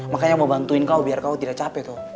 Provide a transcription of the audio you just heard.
makanya mau bantuin kau biar kau tidak capek tuh